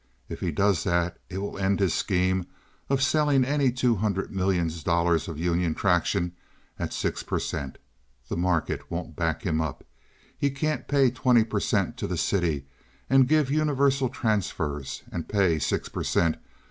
If he does that it will end his scheme of selling any two hundred million dollars of Union Traction at six per cent. The market won't back him up. He can't pay twenty per cent. to the city and give universal transfers and pay six per cent.